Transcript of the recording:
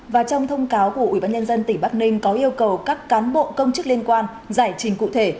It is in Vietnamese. và trong thông cáo của ubnd tỉnh bắc ninh có yêu cầu các cán bộ công chức liên quan giải trình cụ thể